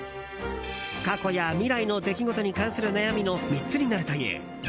過去や未来の出来事に関する悩みの３つになるという。